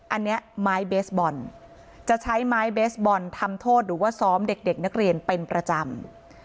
อันนี้ไม้เบสบอลจะใช้ไม้เบสบอลทำโทษหรือว่าซ้อมเด็กนักเรียนเป็นประจำ